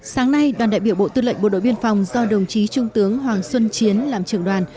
sáng nay đoàn đại biểu bộ tư lệnh bộ đội biên phòng do đồng chí trung tướng hoàng xuân chiến làm trưởng đoàn